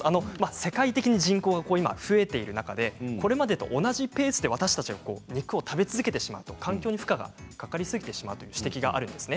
世界的に今、人口が増えている中でこれまでと同じペースで私たちが肉を食べ続けてしまうと環境に負荷がかかりすぎてしまうという指摘があるんですね。